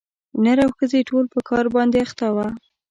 نر او ښځي ټول په کار باندي اخته وه